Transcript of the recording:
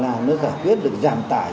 là nó giải quyết được giảm tải